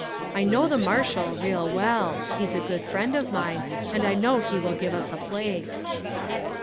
I know the marshal real well ; he's a good friend of mine, and I know he will give us a place."